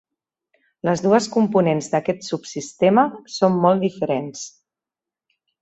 Les dues components d'aquest subsistema són molt diferents.